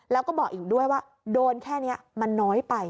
แล้วก็บอกอีกด้วยว่าโดนแค่นี้มันน้อยไป